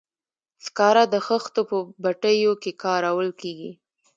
سکاره د خښتو په بټیو کې کارول کیږي.